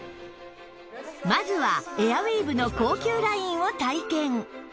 まずはエアウィーヴの高級ラインを体験